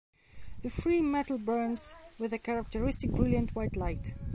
The free metal burns with a characteristic brilliant-white light.